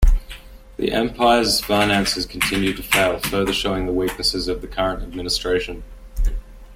The empire's finances continued to fail, further showing the weaknesses of the current administration.